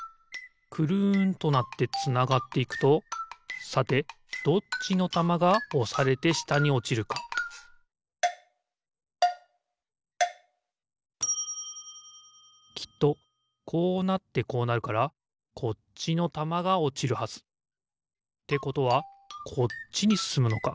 くるんとなってつながっていくとさてどっちのたまがおされてしたにおちるかきっとこうなってこうなるからこっちのたまがおちるはず。ってことはこっちにすすむのか。